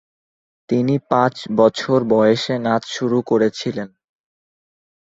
তিনি পাঁচ বছর বয়সে নাচ শুরু করেছিলেন।